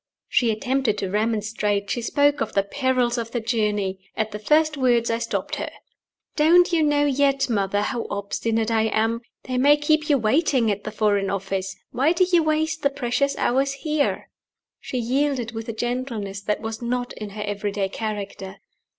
She attempted to remonstrate; she spoke of the perils of the journey. At the first words I stopped her. "Don't you know yet, mother, how obstinate I am? They may keep you waiting at the Foreign Office. Why do you waste the precious hours here?" She yielded with a gentleness that was not in her everyday character.